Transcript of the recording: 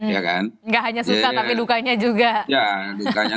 gak hanya suka tapi dukanya juga